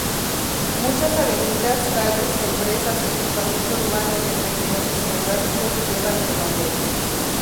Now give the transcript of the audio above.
Muchas avenidas, calles, empresas, equipamiento urbano y hasta accidentes geográficos llevan su nombre.